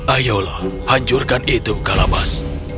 ayolah hancurkan itu kalabas